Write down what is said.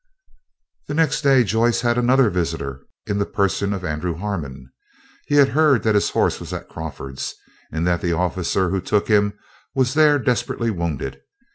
The next day Joyce had another visitor, in the person of Andrew Harmon. He had heard that his horse was at Crawford's, and that the officer who took him was there desperately wounded.